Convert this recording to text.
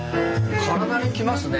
体にきますね。